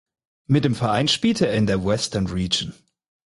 Mit dem Verein spielte er in der Western Region.